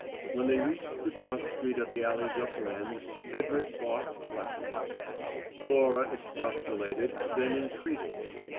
When they reached the cross street at the alley's upper end, Hedrick balked flatly. Laura expostulated, then entreated.